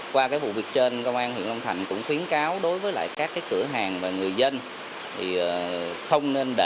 qua cái vụ việc trên công an huyện long thành cũng khuyến cáo đối với các cửa hàng và người dân